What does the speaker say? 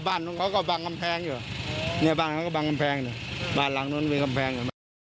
บ้านนั้นเขาก็บังกำแพง